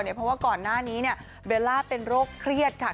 เพราะว่าก่อนหน้านี้เบลล่าเป็นโรคเครียดค่ะ